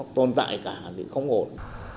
tồn tại cả thì không ổn